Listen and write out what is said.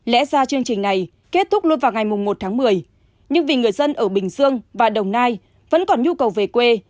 lẽ ra chương trình này kết thúc luôn vào ngày một tháng một mươi nhưng vì người dân ở bình dương và đồng nai vẫn còn nhu cầu về quê